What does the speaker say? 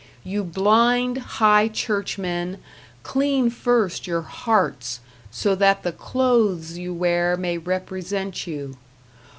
You blind high churchmen, clean first your hearts, so that the clothes you wear may represent you.